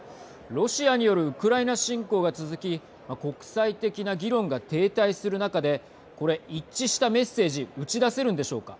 ロシアによるウクライナ侵攻が続き国際的な議論が停滞する中でこれ、一致したメッセージ打ち出せるんでしょうか。